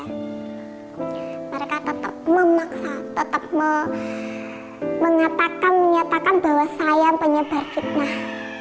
mereka tetap memaksa tetap menyatakan menyatakan bahwa saya penyebar fitnah